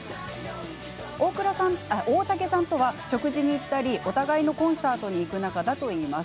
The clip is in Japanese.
大竹さんとは食事に行ったりお互いのコンサートに行く仲だといいます。